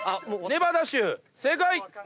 ネバダ州正解！